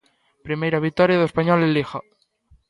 Primeira vitoria do Español en Liga.